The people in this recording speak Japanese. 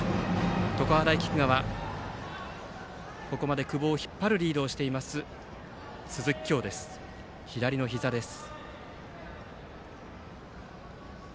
常葉大菊川、ここまで久保を引っ張るリードをしている鈴木叶の左ひざです。